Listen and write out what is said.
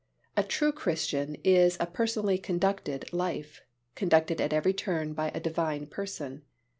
A true Christian life is a personally conducted life, conducted at every turn by a Divine Person.